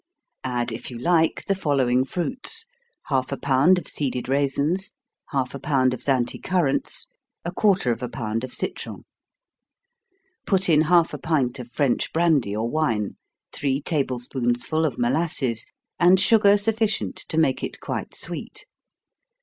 Add if you like the following fruits: half a pound of seeded raisins, half a pound of Zante currants, a quarter of a pound of citron. Put in half a pint of French brandy or wine, three table spoonsful of molasses, and sugar sufficient to make it quite sweet.